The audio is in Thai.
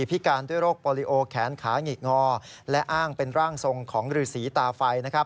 พิการด้วยโรคปอลิโอแขนขาหงิกงอและอ้างเป็นร่างทรงของฤษีตาไฟ